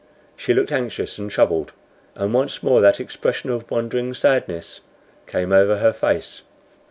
She looked anxious and troubled, and once more that expression of wondering sadness came over her face.